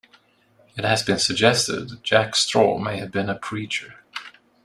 It has been suggested that Jack Straw may have been a preacher.